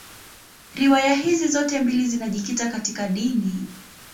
Riwaya hizi zote mbili zinajikita katika dini.